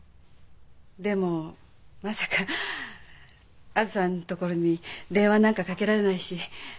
でもまさかあづさのところに電話なんかかけられないし。